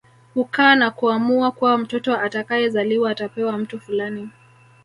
Hukaa na kuamua kuwa mtoto atakayezaliwa atapewa mtu fulani